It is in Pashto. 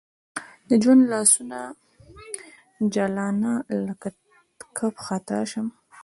د ژوند لاسونو نه جلانه لکه کب خطا شم